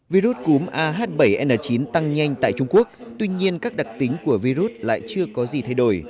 virus cúm ah bảy n chín tăng nhanh tại trung quốc tuy nhiên các đặc tính của virus lại chưa có gì thay đổi